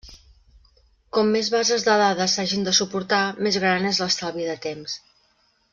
Com més bases de dades s'hagin de suportar, més gran és l'estalvi de temps.